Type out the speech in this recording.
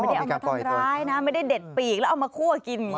ไม่ได้เอามาทำร้ายนะไม่ได้เด็ดปีกแล้วเอามาคั่วกิน